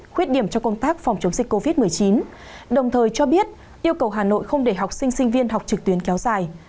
khuyết điểm trong công tác phòng chống dịch covid một mươi chín đồng thời cho biết yêu cầu hà nội không để học sinh sinh viên học trực tuyến kéo dài